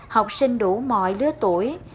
học sinh đủ mọi lứa tuổi